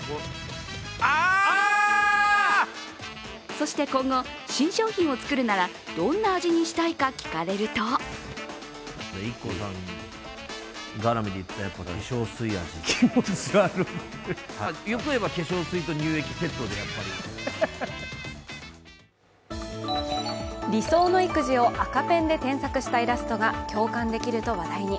そして今後、新商品を作るならどんな味にしたいか聞かれると理想の育児を赤ペンで添削したイラストが共感できると話題に。